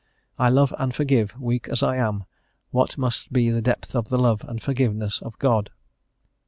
"I love and forgive, weak as I am; what must be the depth of the love and forgiveness of God?"